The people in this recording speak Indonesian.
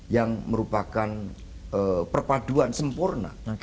yang merupakan perpaduan sempurna